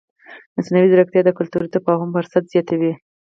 مصنوعي ځیرکتیا د کلتوري تفاهم فرصت زیاتوي.